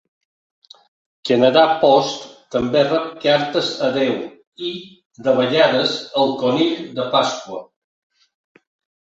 Canada Post també rep cartes a Déu i, de vegades, al Conill de Pasqua.